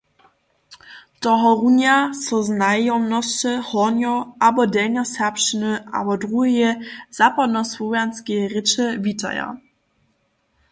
Tohorunja so znajomosće hornjo- abo delnjoserbšćiny abo druheje zapadnosłowjanskeje rěče witaja.